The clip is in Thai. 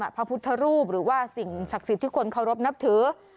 หรือแก่ประจำพระพุทธรูปหรือว่าสิ่งศักดิ์สิทธิ์ที่ควรเคารพนับถือ